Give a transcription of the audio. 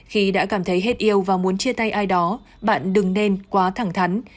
khi đã cảm thấy hết yêu và muốn chia tay ai đó bạn đừng nên quá thẳng thắn